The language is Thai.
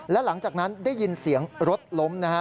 และหลังจากนั้นได้ยินเสียงรถล้มนะฮะ